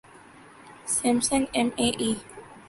Samsung M A E